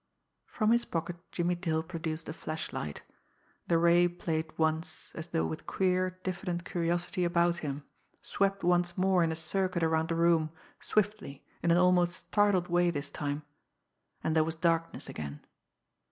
From his pocket Jimmie Dale produced a flashlight. The ray played once, as though with queer, diffident curiosity, about him, swept once more in a circuit around the room, swiftly, in an almost startled way this time and there was darkness again.